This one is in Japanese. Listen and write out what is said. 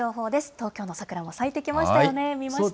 東京の桜も咲いてきましたよね、見ました？